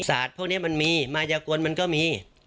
พวกนี้มันมีมายากลมันก็มี